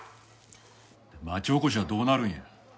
町おこしはどうなるんや。